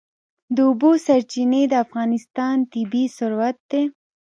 د اوبو سرچینې د افغانستان طبعي ثروت دی.